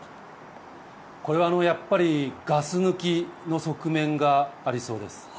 これはやっぱりガス抜きの側面がありそうです。